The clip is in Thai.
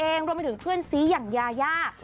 รวมไปถึงเพื่อนซีอย่างยายา